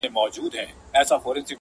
ته خبريې دلته ښخ ټول انسانان دي،